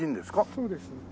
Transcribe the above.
そうです。